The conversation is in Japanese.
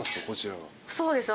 こちらが。